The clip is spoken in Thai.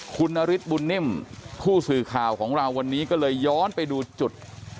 คุณนฤทธิบุญนิ่มผู้สื่อข่าวของเราวันนี้ก็เลยย้อนไปดูจุด